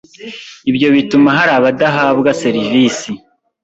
Ibyo bituma hari abadahabwa serivisi